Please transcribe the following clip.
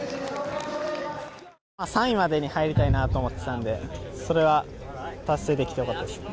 ３位までに入りたいなと思っていたんで、それは達成できてよかったです。